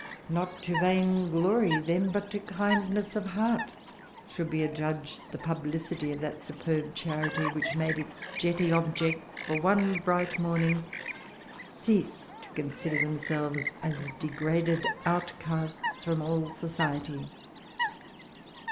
Not to vainglory, then, but to kindness of heart, should be adjudged the publicity of that superb charity which made its jetty objects, for one bright morning, cease to consider themselves as degraded outcasts from all society."